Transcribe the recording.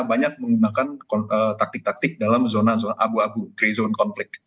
banyak menggunakan taktik taktik dalam zona abu abu krezone konflik